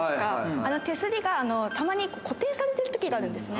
あの手すりがたまに固定されてるときがあるんですね。